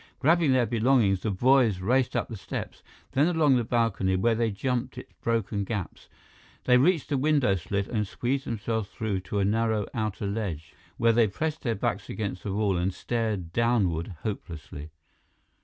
Grabbing their belongings, the boys raced up the steps, then along the balcony, where they jumped its broken gaps. They reached the window slit and squeezed themselves through to a narrow outer ledge, where they pressed their backs against the wall and stared downward hopelessly.